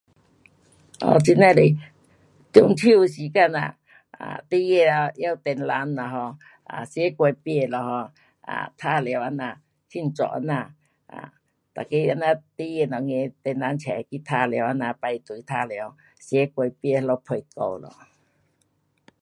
这里是中秋的时间呐，um 孩儿啊拿灯笼 um 吃月饼了 um 啊玩耍这样，庆祝这样，um 每个这样孩儿两个大人出去玩耍这样排队玩耍，吃月饼咯聊天咯。